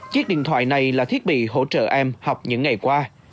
chiếc điện thoại này là thiết bị hỗ trợ em học những ngày qua